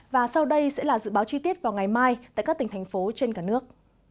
và sau đây sẽ là dự báo chi tiết vào ngày mai tại các tỉnh thành phố trên cả nước